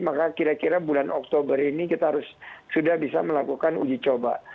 maka kira kira bulan oktober ini kita harus sudah bisa melakukan uji coba